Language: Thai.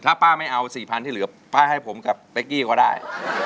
ถ้าป้าไม่เอา๔๐๐๐ที่เหลือป้าให้ผมกับเป๊กกี้เขาได้